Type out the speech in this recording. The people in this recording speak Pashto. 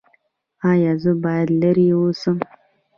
ایا زه باید لرې اوسم؟